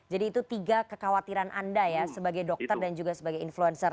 jadi itu tiga kekhawatiran anda ya sebagai dokter dan juga sebagai influencer